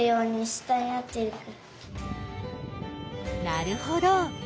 なるほど。